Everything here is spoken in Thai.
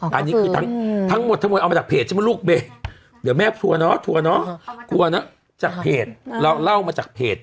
อ๋อก็คือทั้งหมดเอามาจากเพจใช่ไหมลูกเบเดี๋ยวแม่ทัวร์เนาะทัวร์เนาะทัวร์เนาะจากเพจเราเล่ามาจากเพจ